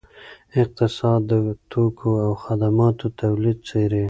اقتصاد د توکو او خدماتو تولید څیړي.